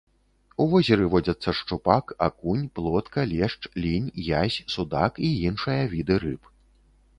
У возеры водзяцца шчупак, акунь, плотка, лешч, лінь, язь, судак і іншыя віды рыб.